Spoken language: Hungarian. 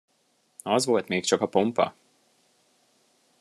Az volt még csak a pompa!